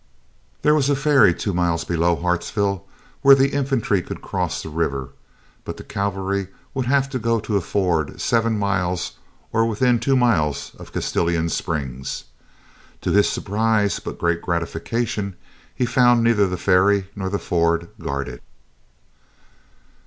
There was a ferry two miles below Hartsville where the infantry could cross the river, but the cavalry would have to go to a ford seven miles or within two miles of Castalian Springs. To his surprise, but great gratification, he found neither the ferry nor the ford guarded.